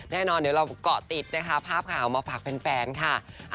แน่นอนเดี๋ยวเราเกาะติดนะคะภาพข่าวมาฝากแฟนค่ะ